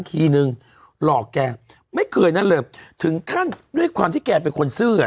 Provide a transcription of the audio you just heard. ทีนึงหลอกแกไม่เคยนั่นเลยถึงขั้นด้วยความที่แกเป็นคนซื่ออ่ะ